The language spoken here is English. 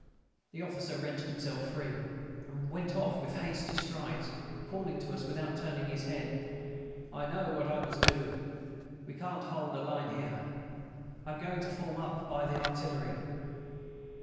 The officer wrenched himself free, and went off with hasty strides, calling to us without turning his head: "I know what I must do.... We can't hold a line here.... I am going to form up by the artillery."